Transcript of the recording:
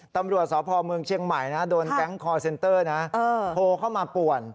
ตำรวจสพเมืองเชียงใหม่นะโดนแก๊งคอร์เซ็นเตอร์นะโทรเข้ามาป่วน